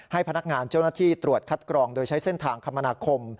พนักงานเจ้าหน้าที่ตรวจคัดกรองโดยใช้เส้นทางคมนาคม